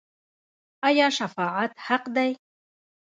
آیا شفاعت حق دی؟